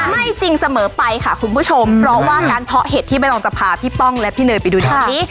ไม่จริงเสมอไปค่ะคุณผู้ชมเพราะว่าการเพาะเห็ดที่ใบตองจะพาพี่ป้องและพี่เนยไปดูชุดนี้